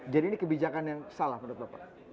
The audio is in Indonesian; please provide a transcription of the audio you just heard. jadi ini kebijakan yang salah menurut bapak